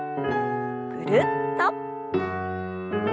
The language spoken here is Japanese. ぐるっと。